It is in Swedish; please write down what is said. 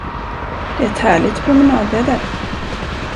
Det är ett härligt promenadväder.